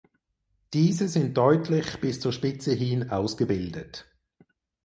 Diese sind deutlich bis zur Spitze hin ausgebildet.